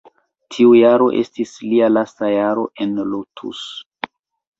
Tiu jaro estis lia lasta jaro en Lotus.